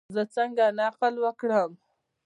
زه څنګه نقل وکړم؟